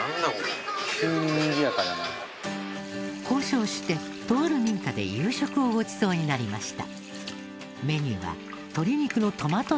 交渉してとある民家で夕食をごちそうになりました。